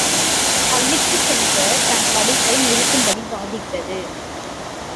பள்ளிக்குச் சென்ற தன் படிப்பை நிறுத்தும்படி வாதிட்டது.